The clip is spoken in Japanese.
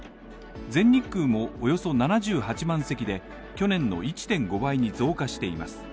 全日空もおよそ７８万席で、去年の１．５倍に増加しています。